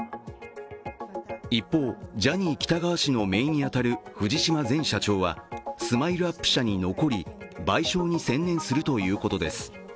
一方、ジャニー喜多川氏のめいに当たる藤島前社長はＳＭＩＬＥ−ＵＰ．社に残り、賠償に専念するということです。